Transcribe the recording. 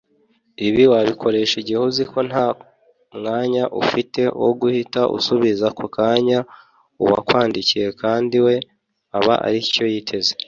Ibi wabikoresha igihe uziko nta mwanya ufite wo guhita usubiza ako kanya uwakwandikiye kandi we aba aricyo yiteze